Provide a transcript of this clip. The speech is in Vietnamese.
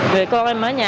vậy con em ở nhà